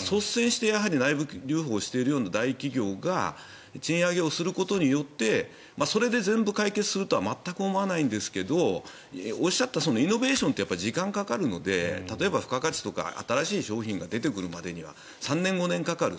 率先して内部留保をしているような大企業が賃上げをすることによってそれで全部解決するとは全く思わないんですけどおっしゃったイノベーションって時間がかかるので例えば、付加価値とか新しい商品が出てくるまでには３年、５年かかる。